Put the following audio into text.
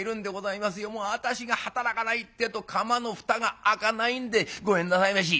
もう私が働かないってえと釜の蓋が開かないんでごめんなさいまし」。